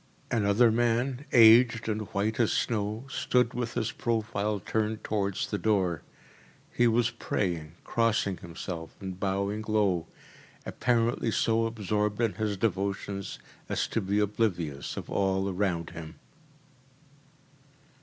Another man, aged and white as snow, stood with his profile turned towards the door. He was praying, crossing himself, and bowing low, apparently so absorbed in his devotions as to be oblivious of all around him.